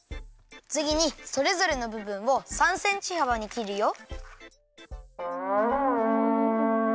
つぎにそれぞれのぶぶんを３センチはばにきるよ。